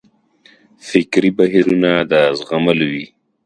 فکري بهیرونه د زغملو وي.